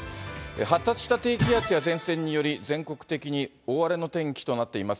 発達した低気圧や前線により、全国的に大荒れの天気となっています。